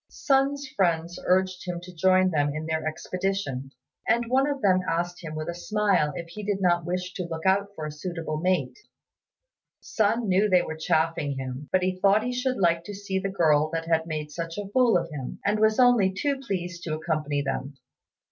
Sun's friends urged him to join them in their expedition, and one of them asked him with a smile if he did not wish to look out for a suitable mate. Sun knew they were chaffing him, but he thought he should like to see the girl that had made such a fool of him, and was only too pleased to accompany them.